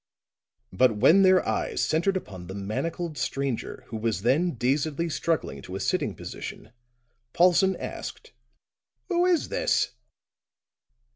But when their eyes centered upon the manacled stranger who was then dazedly struggling to a sitting position, Paulson asked: "Who is this?"